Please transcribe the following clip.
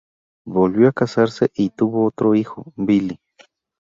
Volvió a casarse y tuvo otro hijo, Billy.